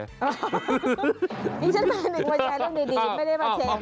ดิฉันเป็นคนมาแชร์เรื่องดีไม่ได้มาแชร์